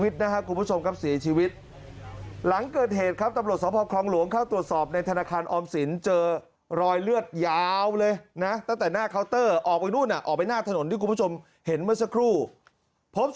โอ้โฮโอ้โฮโอ้โฮโอ้โฮโอ้โฮโอ้โฮโอ้โฮโอ้โฮโอ้โฮโอ้โฮโอ้โฮโอ้โฮโอ้โฮโอ้โฮโอ้โฮโอ้โฮโอ้โฮโอ้โฮโอ้โฮโอ้โฮโอ้โฮโอ้โฮโอ้โฮโอ้โฮโอ้โฮโอ้โฮโอ้โฮโอ้โฮโอ้โฮโอ้โฮโอ้โฮโอ้โ